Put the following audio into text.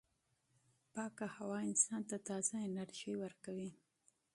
پاکه هوا انسان ته تازه انرژي ورکوي.